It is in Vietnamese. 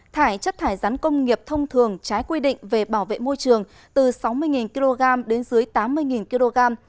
thải chất thải rắn công nghiệp thông thường trái quy định về bảo vệ môi trường từ sáu mươi kg đến dưới tám mươi kg